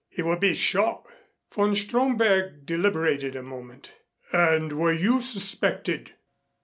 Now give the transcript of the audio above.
He will be shot." Von Stromberg deliberated a moment. "And were you suspected?"